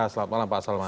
selamat malam pak salman